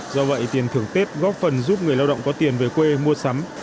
do vậy tiền thưởng tết góp phần giúp người lao động có tiền về quê mua sắm